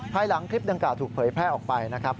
ภายหลังคลิปดังกล่าถูกเผยแพร่ออกไปนะครับ